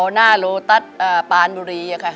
อ๋อหน้าโลตัสปานบุรีอะค่ะ